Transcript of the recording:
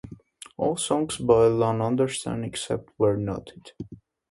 All songs by Ian Anderson, except where noted.